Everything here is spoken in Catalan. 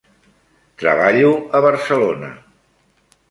Treballo a Barcelona.